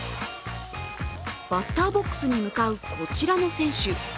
バッターボックスに向かうこちらの選手